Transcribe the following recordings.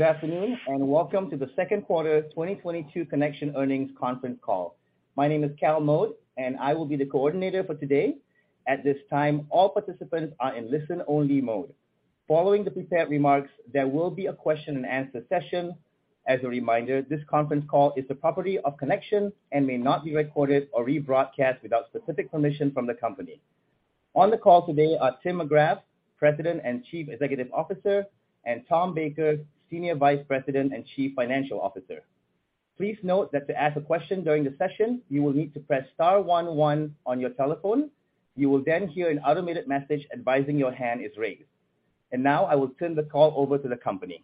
Good afternoon, and welcome to the second quarter 2022 Connection earnings conference call. My name is Cal, and I will be the coordinator for today. At this time, all participants are in listen-only mode. Following the prepared remarks, there will be a question and answer session. As a reminder, this conference call is the property of Connection and may not be recorded or rebroadcast without specific permission from the company. On the call today are Tim McGrath, President and Chief Executive Officer, and Tom Baker, Senior Vice President and Chief Financial Officer. Please note that to ask a question during the session, you will need to press star one one on your telephone. You will then hear an automated message advising your hand is raised. Now I will turn the call over to the company.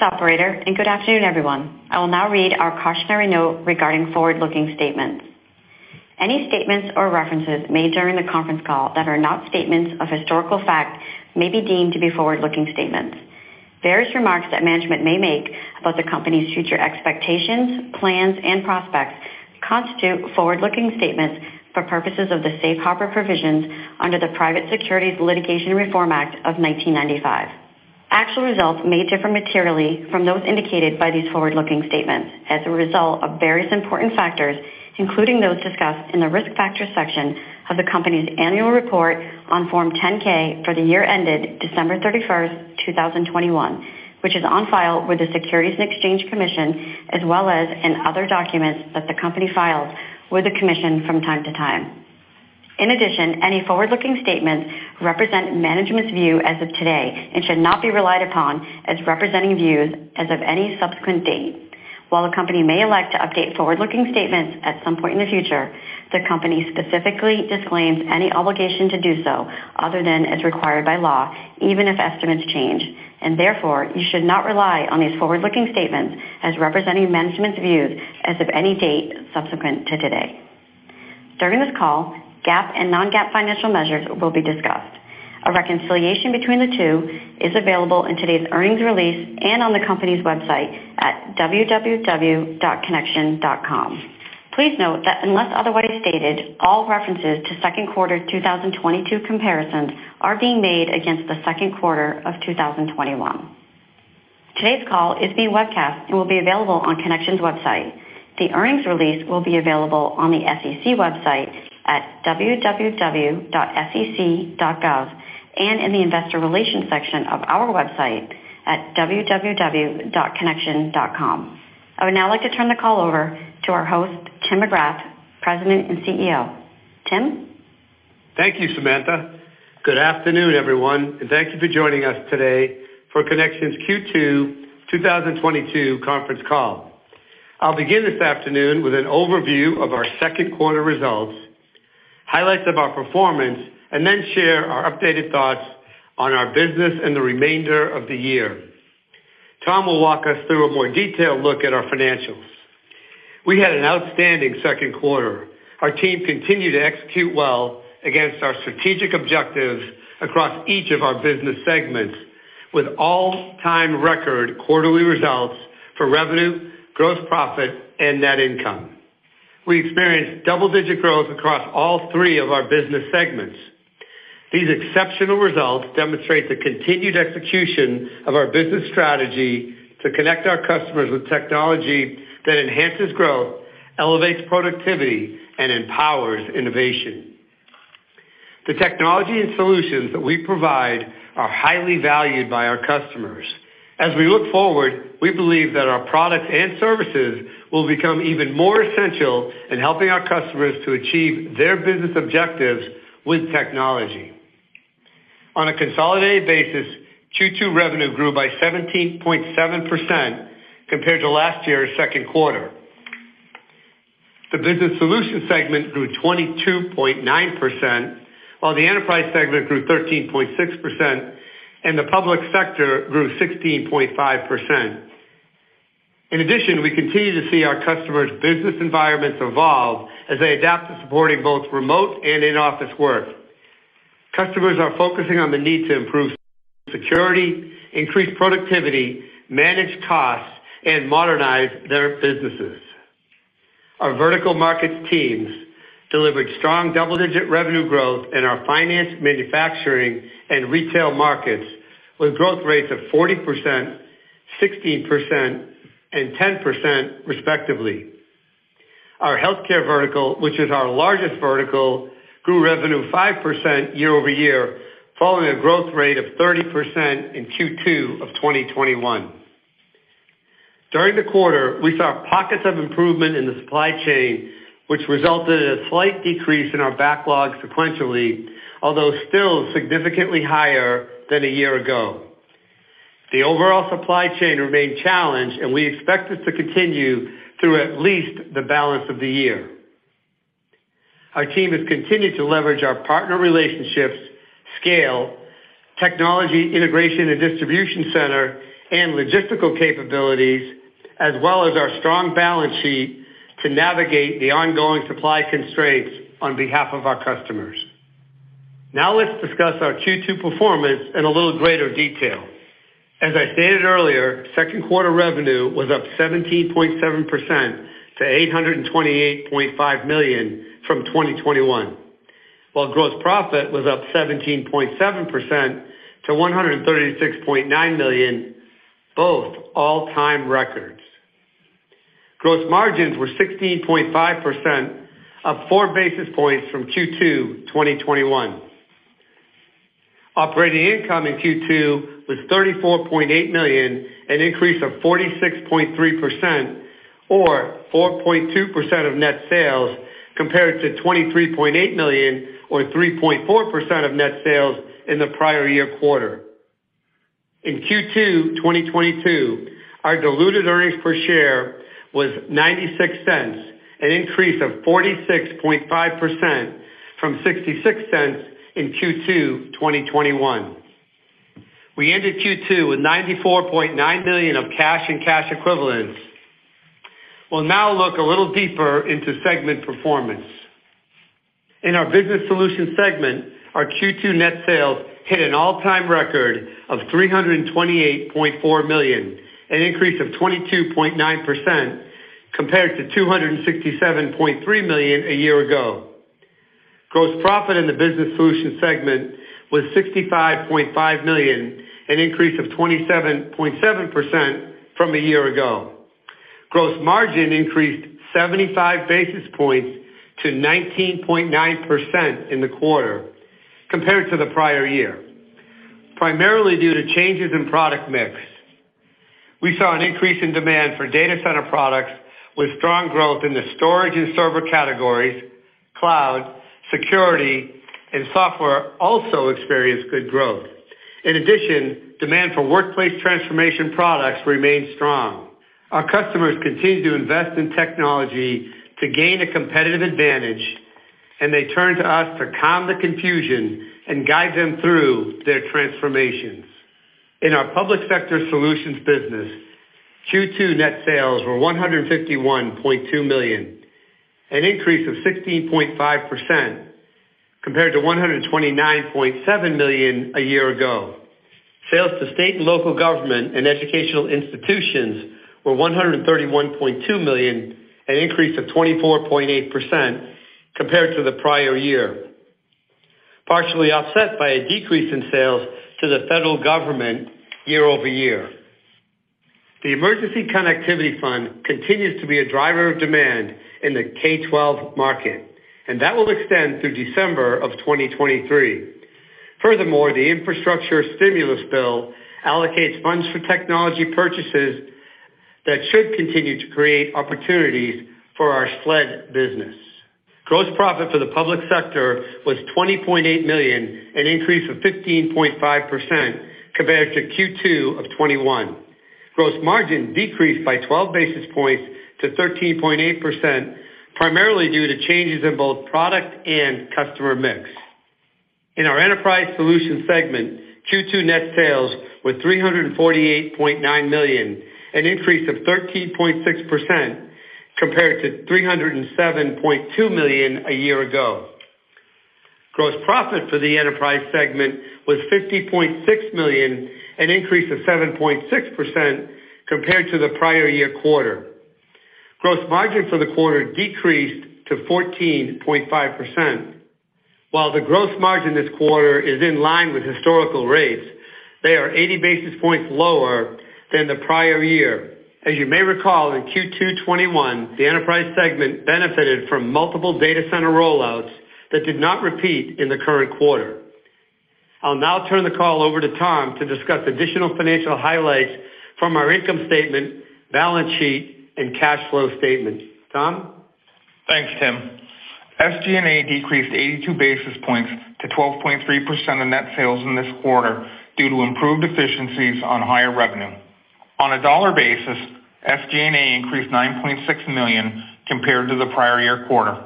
Operator, good afternoon, everyone. I will now read our cautionary note regarding forward-looking statements. Any statements or references made during the conference call that are not statements of historical fact may be deemed to be forward-looking statements. Various remarks that management may make about the company's future expectations, plans, and prospects constitute forward-looking statements for purposes of the Safe Harbor provisions under the Private Securities Litigation Reform Act of 1995. Actual results may differ materially from those indicated by these forward-looking statements as a result of various important factors, including those discussed in the Risk Factors section of the company's annual report on Form 10-K for the year ended December 31, 2021, which is on file with the Securities and Exchange Commission, as well as in other documents that the company files with the Commission from time to time. In addition, any forward-looking statements represent management's view as of today and should not be relied upon as representing views as of any subsequent date. While the company may elect to update forward-looking statements at some point in the future, the company specifically disclaims any obligation to do so other than as required by law, even if estimates change, and therefore, you should not rely on these forward-looking statements as representing management's views as of any date subsequent to today. During this call, GAAP and non-GAAP financial measures will be discussed. A reconciliation between the two is available in today's earnings release and on the company's website at www.connection.com. Please note that unless otherwise stated, all references to second quarter 2022 comparisons are being made against the second quarter of 2021. Today's call is being webcast and will be available on Connection's website. The earnings release will be available on the SEC website at www.sec.gov and in the investor relations section of our website at www.connection.com. I would now like to turn the call over to our host, Tim McGrath, President and CEO. Tim? Thank you, Samantha. Good afternoon, everyone, and thank you for joining us today for Connection's Q2 2022 conference call. I'll begin this afternoon with an overview of our second quarter results, highlights of our performance, and then share our updated thoughts on our business and the remainder of the year. Tom will walk us through a more detailed look at our financials. We had an outstanding second quarter. Our team continued to execute well against our strategic objectives across each of our business segments with all-time record quarterly results for revenue, gross profit, and net income. We experienced double-digit growth across all three of our business segments. These exceptional results demonstrate the continued execution of our business strategy to connect our customers with technology that enhances growth, elevates productivity, and empowers innovation. The technology and solutions that we provide are highly valued by our customers. As we look forward, we believe that our products and services will become even more essential in helping our customers to achieve their business objectives with technology. On a consolidated basis, Q2 revenue grew by 17.7% compared to last year's second quarter. The Business Solutions segment grew 22.9%, while the Enterprise segment grew 13.6%, and the Public Sector grew 16.5%. In addition, we continue to see our customers' business environments evolve as they adapt to supporting both remote and in-office work. Customers are focusing on the need to improve security, increase productivity, manage costs, and modernize their businesses. Our vertical markets teams delivered strong double-digit revenue growth in our finance, manufacturing, and retail markets, with growth rates of 40%, 16%, and 10% respectively. Our healthcare vertical, which is our largest vertical, grew revenue 5% year-over-year, following a growth rate of 30% in Q2 of 2021. During the quarter, we saw pockets of improvement in the supply chain, which resulted in a slight decrease in our backlog sequentially, although still significantly higher than a year ago. The overall supply chain remained challenged, and we expect this to continue through at least the balance of the year. Our team has continued to leverage our partner relationships, scale, technology, integration and distribution center, and logistical capabilities, as well as our strong balance sheet to navigate the ongoing supply constraints on behalf of our customers. Now let's discuss our Q2 performance in a little greater detail. As I stated earlier, second quarter revenue was up 17.7% to $828.5 million from 2021. While gross profit was up 17.7% to $136.9 million, both all-time records. Gross margins were 16.5%, up 4 basis points from Q2 2021. Operating income in Q2 was $34.8 million, an increase of 46.3% or 4.2% of net sales compared to $23.8 million or 3.4% of net sales in the prior year quarter. In Q2 2022, our diluted earnings per share was $0.96, an increase of 46.5% from $0.66 in Q2 2021. We ended Q2 with $94.9 million of cash and cash equivalents. We'll now look a little deeper into segment performance. In our Connection Business Solutions segment, our Q2 net sales hit an all-time record of $328.4 million, an increase of 22.9% compared to $267.3 million a year ago. Gross profit in the Connection Business Solutions segment was $65.5 million, an increase of 27.7% from a year ago. Gross margin increased 75 basis points to 19.9% in the quarter compared to the prior year, primarily due to changes in product mix. We saw an increase in demand for data center products with strong growth in the storage and server categories. Cloud, security, and software also experienced good growth. In addition, demand for workplace transformation products remained strong. Our customers continue to invest in technology to gain a competitive advantage, and they turn to us to calm the confusion and guide them through their transformations. In our public sector solutions business, Q2 net sales were $151.2 million, an increase of 16.5% compared to $129.7 million a year ago. Sales to state and local government and educational institutions were $131.2 million, an increase of 24.8% compared to the prior year, partially offset by a decrease in sales to the federal government year-over-year. The Emergency Connectivity Fund continues to be a driver of demand in the K-12 market, and that will extend through December 2023. Furthermore, the infrastructure stimulus bill allocates funds for technology purchases that should continue to create opportunities for our SLED business. Gross profit for the public sector was $20.8 million, an increase of 15.5% compared to Q2 of 2021. Gross margin decreased by 12 basis points to 13.8%, primarily due to changes in both product and customer mix. In our enterprise solutions segment, Q2 net sales were $348.9 million, an increase of 13.6% compared to $307.2 million a year ago. Gross profit for the enterprise segment was $50.6 million, an increase of 7.6% compared to the prior year quarter. Gross margin for the quarter decreased to 14.5%. While the gross margin this quarter is in line with historical rates, they are 80 basis points lower than the prior year. As you may recall, in Q2 2021, the enterprise segment benefited from multiple data center rollouts that did not repeat in the current quarter. I'll now turn the call over to Tom to discuss additional financial highlights from our income statement, balance sheet, and cash flow statement. Tom? Thanks, Tim. SG&A decreased 82 basis points to 12.3% of net sales in this quarter due to improved efficiencies on higher revenue. On a dollar basis, SG&A increased $9.6 million compared to the prior year quarter.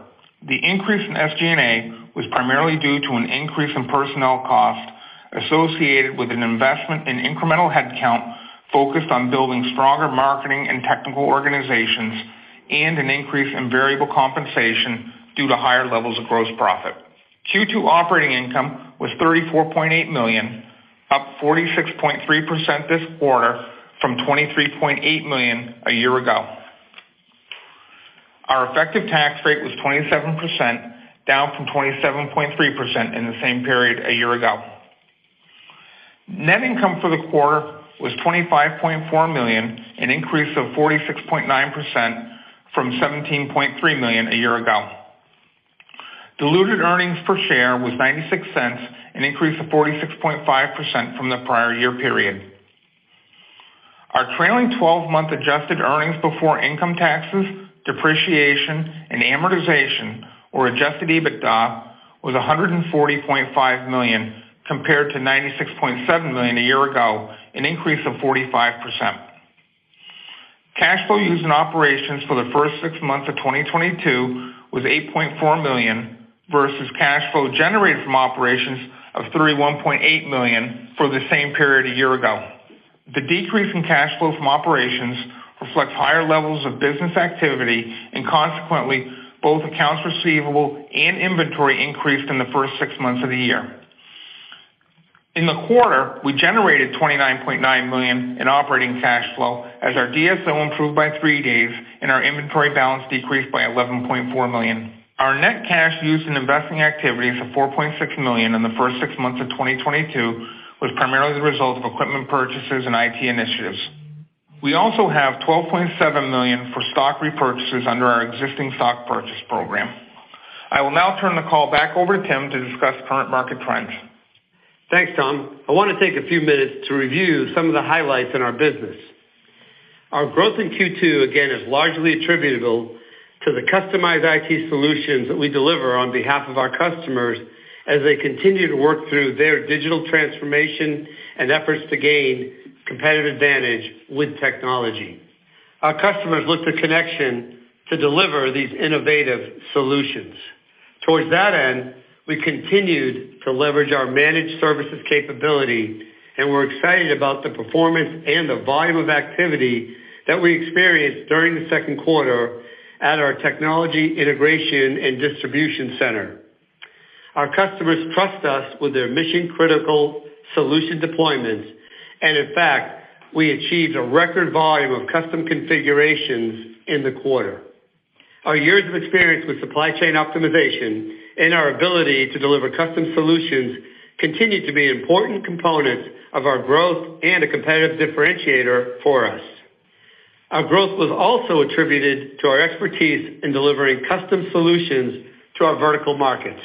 The increase in SG&A was primarily due to an increase in personnel cost associated with an investment in incremental headcount focused on building stronger marketing and technical organizations, and an increase in variable compensation due to higher levels of gross profit. Q2 operating income was $34.8 million, up 46.3% this quarter from $23.8 million a year ago. Our effective tax rate was 27%, down from 27.3% in the same period a year ago. Net income for the quarter was $25.4 million, an increase of 46.9% from $17.3 million a year ago. Diluted earnings per share was $0.96, an increase of 46.5% from the prior year period. Our trailing-12-month adjusted earnings before income taxes, depreciation, and amortization, or adjusted EBITDA, was $140.5 million compared to $96.7 million a year ago, an increase of 45%. Cash flow used in operations for the first six months of 2022 was $8.4 million versus cash flow generated from operations of $31.8 million for the same period a year ago. The decrease in cash flow from operations reflects higher levels of business activity, and consequently, both accounts receivable and inventory increased in the first six months of the year. In the quarter, we generated $29.9 million in operating cash flow as our DSO improved by three days and our inventory balance decreased by $11.4 million. Our net cash used in investing activities of $4.6 million in the first six months of 2022 was primarily the result of equipment purchases and IT initiatives. We also have $12.7 million for stock repurchases under our existing stock purchase program. I will now turn the call back over to Tim McGrath to discuss current market trends. Thanks, Tom. I wanna take a few minutes to review some of the highlights in our business. Our growth in Q2, again, is largely attributable to the customized IT solutions that we deliver on behalf of our customers as they continue to work through their digital transformation and efforts to gain competitive advantage with technology. Our customers look to Connection to deliver these innovative solutions. Toward that end, we continued to leverage our managed services capability, and we're excited about the performance and the volume of activity that we experienced during the second quarter at our technology integration and distribution center. Our customers trust us with their mission-critical solution deployments, and in fact, we achieved a record volume of custom configurations in the quarter. Our years of experience with supply chain optimization and our ability to deliver custom solutions continue to be important components of our growth and a competitive differentiator for us. Our growth was also attributed to our expertise in delivering custom solutions to our vertical markets.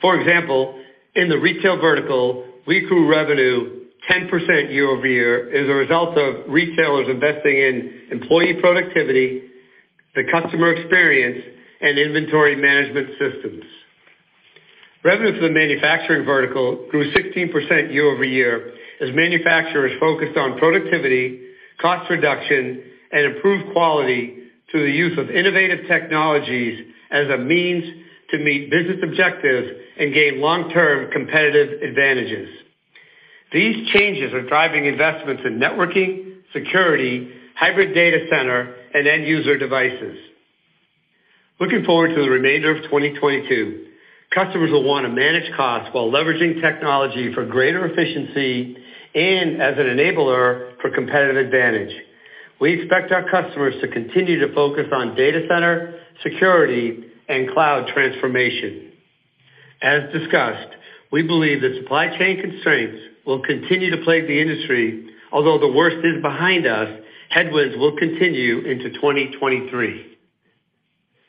For example, in the retail vertical, we grew revenue 10% year-over-year as a result of retailers investing in employee productivity, the customer experience, and inventory management systems. Revenue for the manufacturing vertical grew 16% year-over-year as manufacturers focused on productivity, cost reduction, and improved quality through the use of innovative technologies as a means to meet business objectives and gain long-term competitive advantages. These changes are driving investments in networking, security, hybrid data center, and end user devices. Looking forward to the remainder of 2022, customers will wanna manage costs while leveraging technology for greater efficiency and as an enabler for competitive advantage. We expect our customers to continue to focus on data center, security, and cloud transformation. As discussed, we believe that supply chain constraints will continue to plague the industry. Although the worst is behind us, headwinds will continue into 2023.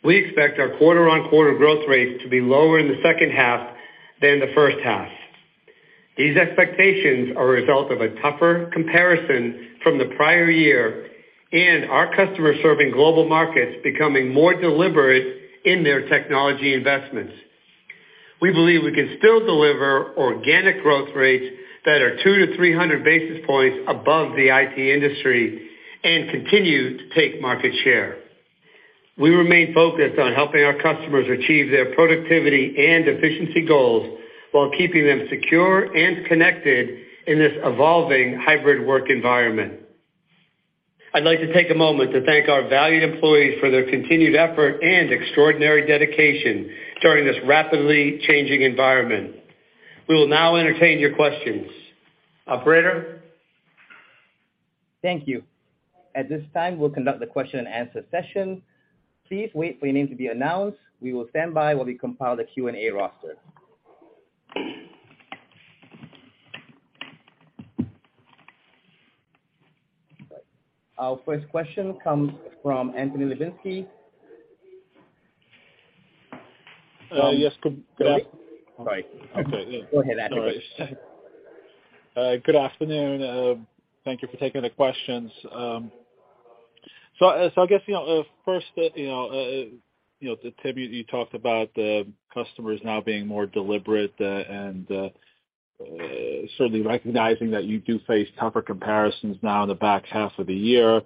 We expect our quarter-on-quarter growth rates to be lower in the second half than the first half. These expectations are a result of a tougher comparison from the prior year and our customer-serving global markets becoming more deliberate in their technology investments. We believe we can still deliver organic growth rates that are 200-300 basis points above the IT industry and continue to take market share. We remain focused on helping our customers achieve their productivity and efficiency goals while keeping them secure and connected in this evolving hybrid work environment. I'd like to take a moment to thank our valued employees for their continued effort and extraordinary dedication during this rapidly changing environment. We will now entertain your questions. Operator? Thank you. At this time, we'll conduct the question-and-answer session. Please wait for your name to be announced. We will stand by while we compile the Q&A roster. Our first question comes from Adam Tindle. Yes, good after. Sorry. Okay. Go ahead, Adam Tindle. No worries. Good afternoon. Thank you for taking the questions. I guess, you know, first, you know, Tim, you talked about the customers now being more deliberate, and certainly recognizing that you do face tougher comparisons now in the back half of the year.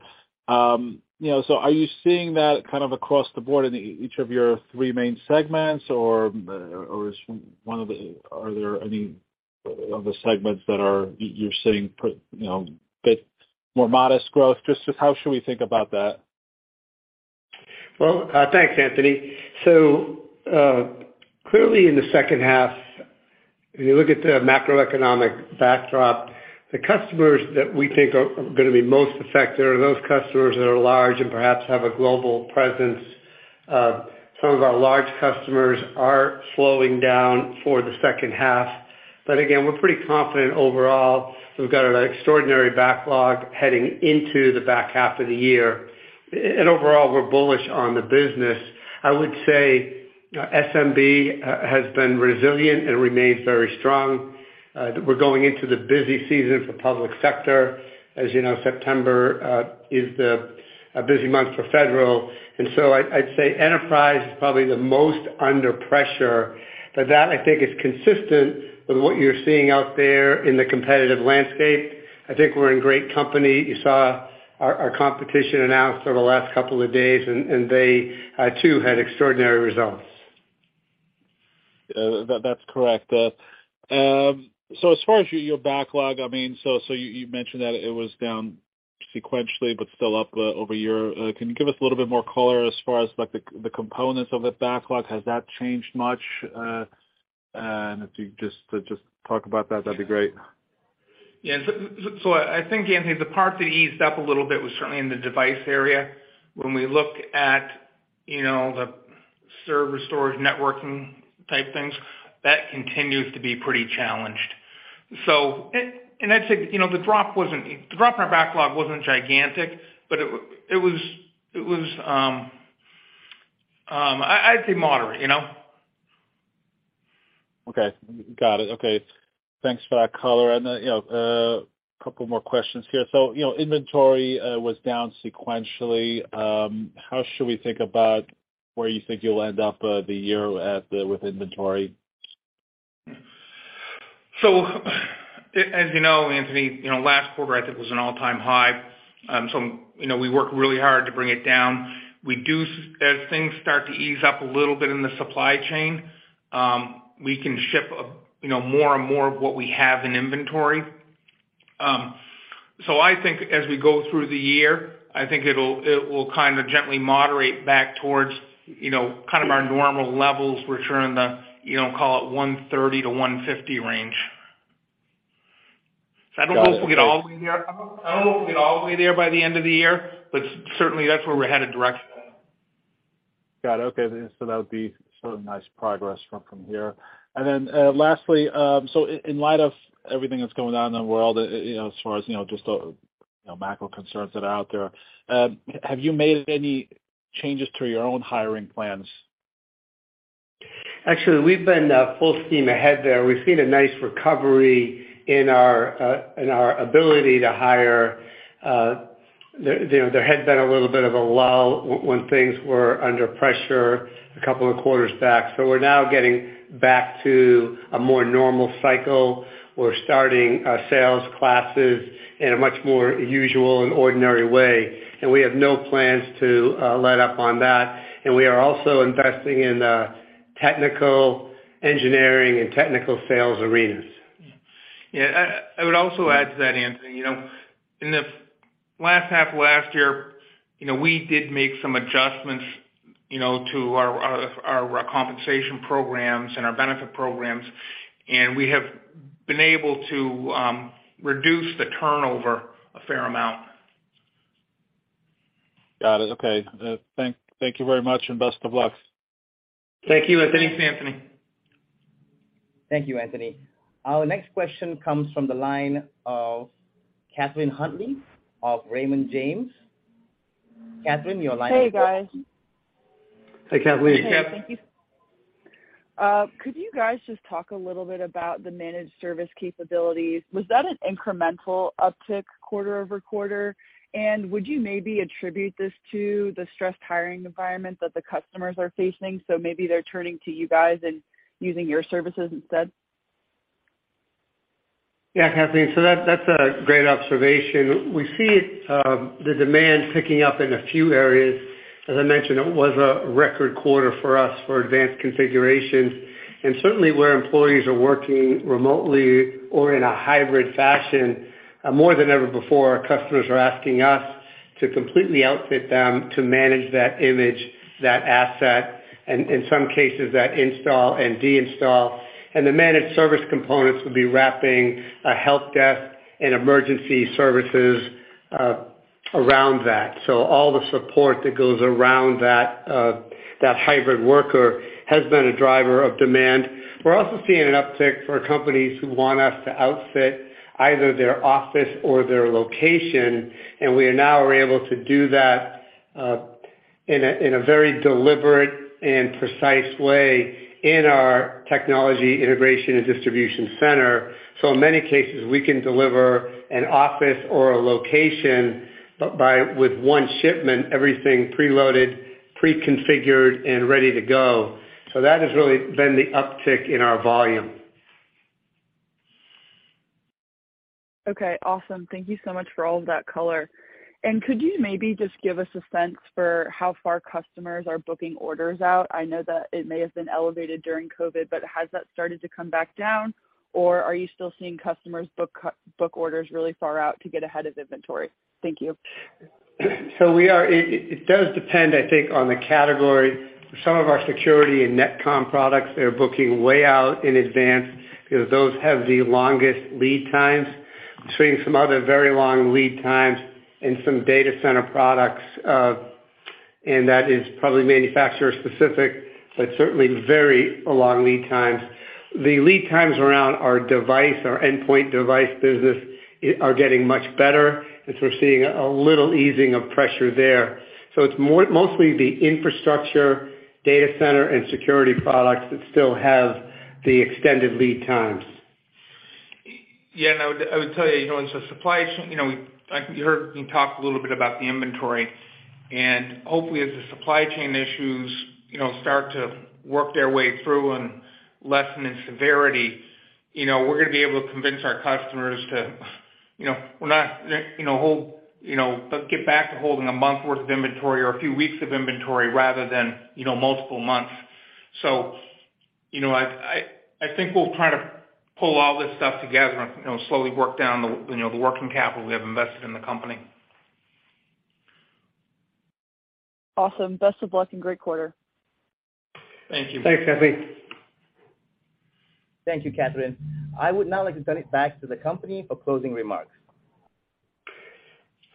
You know, are you seeing that kind of across the board in each of your three main segments, or are there any of the segments that you're seeing, you know, a bit more modest growth? Just how should we think about that? Well, thanks, Adam. So, clearly in the second half, if you look at the macroeconomic backdrop, the customers that we think are gonna be most affected are those customers that are large and perhaps have a global presence. Some of our large customers are slowing down for the second half. Again, we're pretty confident overall. We've got an extraordinary backlog heading into the back half of the year. Overall, we're bullish on the business. I would say SMB has been resilient and remains very strong. We're going into the busy season for public sector. As you know, September is a busy month for federal. I'd say enterprise is probably the most under pressure. That, I think, is consistent with what you're seeing out there in the competitive landscape. I think we're in great company. You saw our competition announce over the last couple of days, and they too had extraordinary results. That's correct. As far as your backlog, I mean, so you mentioned that it was down sequentially, but still up over year. Can you give us a little bit more color as far as like the components of the backlog? Has that changed much? If you just talk about that'd be great. Yeah. I think, Adam, the part that eased up a little bit was certainly in the device area. When we look at, you know, the server storage, networking type things, that continues to be pretty challenged. I'd say, you know, the drop in our backlog wasn't gigantic, but it was moderate, you know? Okay. Got it. Okay. Thanks for that color. You know, a couple more questions here. You know, inventory was down sequentially. How should we think about where you think you'll end up the year with inventory? As you know, Adam Tindle, you know, last quarter I think was an all-time high. You know, we worked really hard to bring it down. As things start to ease up a little bit in the supply chain, we can ship, you know, more and more of what we have in inventory. I think as we go through the year, I think it will kinda gently moderate back towards, you know, kind of our normal levels, which are in the, you know, call it 130-150 range. I don't know if we'll get all the way there. I don't know if we'll get all the way there by the end of the year, but certainly that's where we're headed directionally. Got it. Okay. That would be sort of nice progress from here. Lastly, in light of everything that's going on in the world, you know, as far as, you know, just, you know, macro concerns that are out there, have you made any changes to your own hiring plans? Actually, we've been full steam ahead there. We've seen a nice recovery in our ability to hire. You know, there had been a little bit of a lull when things were under pressure a couple of quarters back. We're now getting back to a more normal cycle. We're starting sales classes in a much more usual and ordinary way, and we have no plans to let up on that. We are also investing in technical engineering and technical sales arenas. Yeah. I would also add to that, Adam Tindle, you know, in the last half of last year, you know, we did make some adjustments, you know, to our compensation programs and our benefit programs, and we have been able to reduce the turnover a fair amount. Got it. Okay. Thank you very much, and best of luck. Thank you. Thanks, Adam Tindle. Thank you, Adam. Our next question comes from the line of Catherine Huntley of Raymond James. Catherine, your line is open. Hey, guys. Hey, Catherine Huntley. Hey, Catherine. Could you guys just talk a little bit about the managed service capabilities? Was that an incremental uptick quarter-over-quarter? Would you maybe attribute this to the stressed hiring environment that the customers are facing, so maybe they're turning to you guys and using your services instead? Yeah, Catherine. That, that's a great observation. We see the demand picking up in a few areas. As I mentioned, it was a record quarter for us for advanced configurations. Certainly where employees are working remotely or in a hybrid fashion, more than ever before, our customers are asking us to completely outfit them to manage that image, that asset, and in some cases that install and de-install. The managed service components would be wrapping a help desk and emergency services around that. All the support that goes around that hybrid worker has been a driver of demand. We're also seeing an uptick for companies who want us to outfit either their office or their location, and we now are able to do that in a very deliberate and precise way in our technology integration and distribution center. In many cases, we can deliver an office or a location, but with one shipment, everything preloaded, pre-configured, and ready to go. That has really been the uptick in our volume. Okay. Awesome. Thank you so much for all of that color. Could you maybe just give us a sense for how far customers are booking orders out? I know that it may have been elevated during COVID, but has that started to come back down, or are you still seeing customers book orders really far out to get ahead of inventory? Thank you. It does depend, I think, on the category. Some of our security and netcom products are booking way out in advance because those have the longest lead times. Seeing some other very long lead times in some data center products, and that is probably manufacturer-specific, but certainly very long lead times. The lead times around our device, our endpoint device business are getting much better as we're seeing a little easing of pressure there. It's mostly the infrastructure data center and security products that still have the extended lead times. Yeah. I would tell you know, it's a supply chain, you know. I think you heard me talk a little bit about the inventory. Hopefully as the supply chain issues, you know, start to work their way through and lessen in severity, you know, we're gonna be able to convince our customers to, you know, get back to holding a month worth of inventory or a few weeks of inventory rather than, you know, multiple months. I think we'll try to pull all this stuff together and, you know, slowly work down the, you know, the working capital we have invested in the company. Awesome. Best of luck and great quarter. Thank you. Thanks, Catherine. Thank you, Catherine. I would now like to turn it back to the company for closing remarks.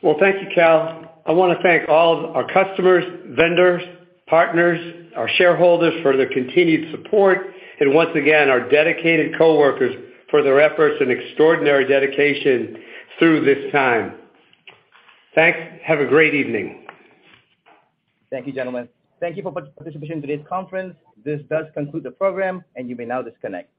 Well, thank you, Cal. I wanna thank all of our customers, vendors, partners, our shareholders for their continued support. Once again, our dedicated coworkers for their efforts and extraordinary dedication through this time. Thanks. Have a great evening. Thank you, gentlemen. Thank you for participating in today's conference. This does conclude the program, and you may now disconnect.